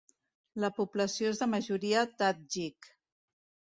La població és de majoria tadjik.